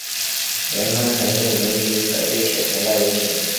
元坑陈氏民居的历史年代为清。